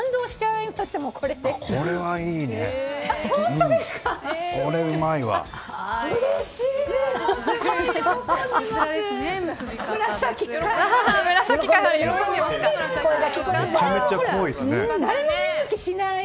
うれしい！